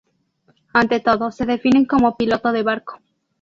Ante todo, se define como "piloto de barco".